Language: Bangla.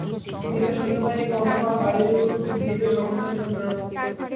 তিনি তার সৈন্যবাহিনীকে অন্যান্য আইয়ুবীয়দের সমর্থনের জন্য প্রেরণ করতেন।